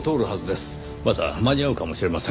まだ間に合うかもしれません。